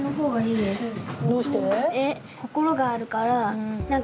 どうして？